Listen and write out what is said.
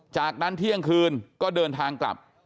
จากนั้นเที่ยงคืนก็เดินทางกลับ